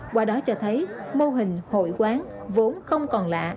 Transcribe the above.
qua đó cho thấy mô hình hội quán vốn không còn lạ